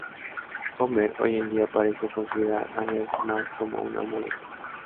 Homer hoy en día parece considerar a Ned más como una molestia.